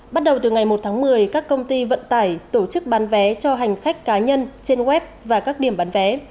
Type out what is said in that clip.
bắt đầu từ ngày một tháng một mươi các công ty vận tải tổ chức bán vé cho hành khách cá nhân trên web và các điểm bán vé